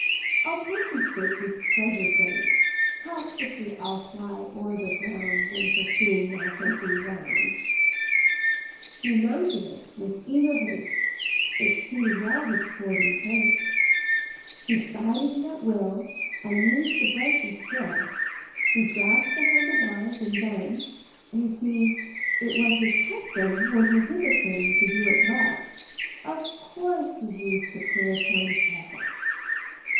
I'll confiscate This treasure great; How quickly I'll fly o'er the ground When I pursue my hunting round!" He mounted it with eager haste, It suited well his sporting taste; [Pg 38] He guided it at will, And used the brake with skill, He grasped the handle bars, and then— You see it was his custom when He did a thing, to do it well— Of course he used the clear toned bell!